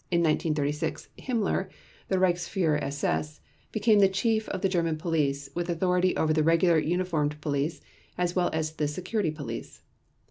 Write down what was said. In 1936 Himmler, the Reichsführer SS, became Chief of the German Police with authority over the regular uniformed police as well as the Security Police.